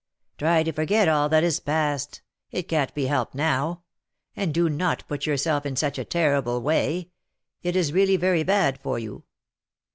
"Try to forget all that is past, it can't be helped now; and do not put yourself in such a terrible way, it is really very bad for you.